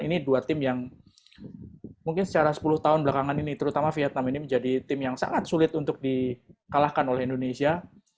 ini dua tim yang mungkin secara sepuluh tahun belakangan ini terutama vietnam ini menjadi tim yang sangat sulit untuk di kalahkan oleh indonesia